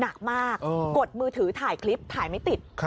หนักมากกดมือถือถ่ายคลิปถ่ายไม่ติด